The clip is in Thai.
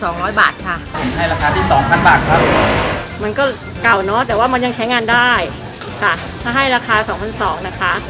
ผมให้ราคาที่๒๐๐๐บาทครับมันก็เก่าเนอะแต่ว่ามันยังใช้งานได้ถ้าให้ราคา๒๒๐๐บาทนะคะ